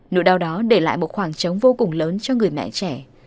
nỗi đau đó để lại một khoảng trống vô cùng lớn cho người mẹ trẻ